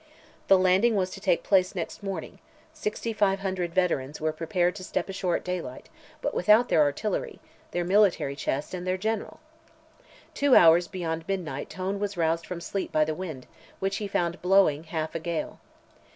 The landing was to take place next morning; 6,500 veterans were prepared to step ashore at daylight, but without their artillery, their military chest, and their general. Two hours beyond midnight Tone was roused from sleep by the wind, which he found blowing half a gale.